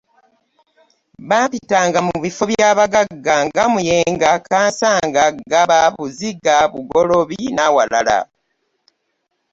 Bampitanga mu bifo by'abagagga nga Muyenga, Kansanga, Ggaba, Buziga, Bugoloobi n'awalala.